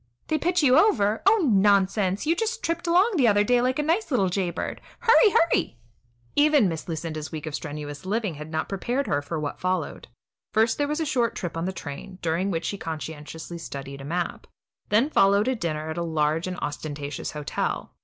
They pitch you over? Oh, nonsense! you just tripped along the other day like a nice little jay bird. Hurry, hurry!" Even Miss Lucinda's week of strenuous living had not prepared her for what followed. First, there was a short trip on the train, during which she conscientiously studied a map. Then followed a dinner at a large and ostentatious hotel.